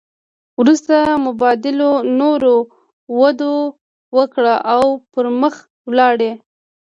وروسته مبادلو نوره وده وکړه او پرمخ ولاړې